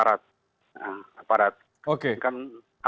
sedangkan yang lain berhasil dievakuasi sama apa